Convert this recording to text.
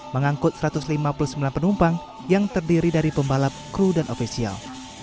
mengangkut satu ratus lima puluh sembilan penumpang yang terdiri dari pembalap kru dan ofisial